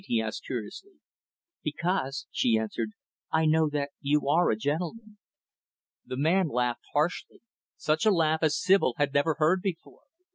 he asked curiously. "Because," she answered, "I know that you are a gentleman." The man laughed harshly such a laugh as Sibyl had never before heard.